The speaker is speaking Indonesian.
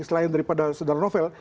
selain daripada sedang novel